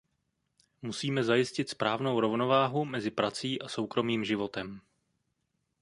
Musíme zajistit správnou rovnováhu mezi prací a soukromým životem.